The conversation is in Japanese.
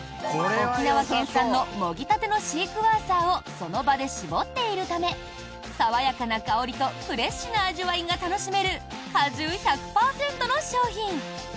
沖縄県産のもぎたてのシークヮーサーをその場で絞っているため爽やかな香りとフレッシュな味わいが楽しめる果汁１００％の商品。